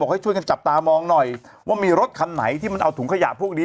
ให้ช่วยกันจับตามองหน่อยว่ามีรถคันไหนที่มันเอาถุงขยะพวกนี้